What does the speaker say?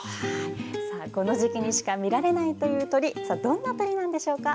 この時期にしか見られないという鳥どんな鳥なんでしょうか。